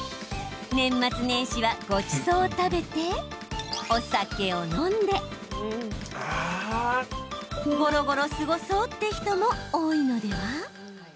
年末年始はごちそうを食べてお酒を飲んでゴロゴロ過ごそうって人も多いのでは？